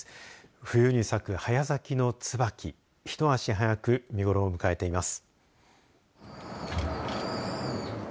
冬に咲く早咲きのツバキ一足早く見頃を迎えています。